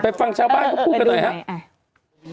ฟังชาวบ้านเขาพูดกันหน่อยครับ